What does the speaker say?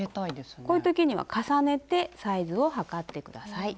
こういう時には重ねてサイズを測って下さい。